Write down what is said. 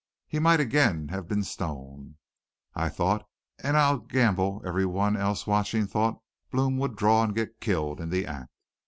He might again have been stone. I thought, an' I'll gamble every one else watchin' thought, Blome would draw an' get killed in the act.